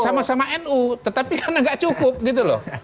sama sama nu tetapi karena nggak cukup gitu loh